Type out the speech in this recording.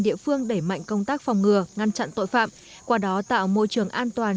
địa phương đẩy mạnh công tác phòng ngừa ngăn chặn tội phạm qua đó tạo môi trường an toàn